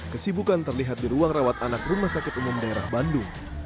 kesibukan terlihat di ruang rawat anak rumah sakit umum daerah bandung